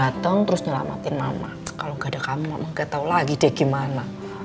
gateng terus nyelamatin mama kalo gak ada kamu mama gak tau lagi deh gimana